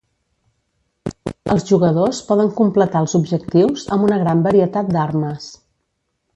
Els jugadors poden completar els objectius amb una gran varietat d'armes.